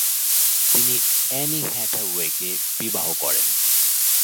তিনি অ্যানি হ্যাথাওয়েকে বিবাহ করেন।